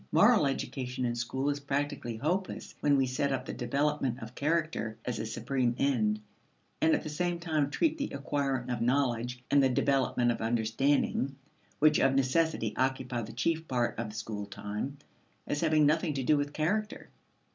Moral education in school is practically hopeless when we set up the development of character as a supreme end, and at the same time treat the acquiring of knowledge and the development of understanding, which of necessity occupy the chief part of school time, as having nothing to do with character.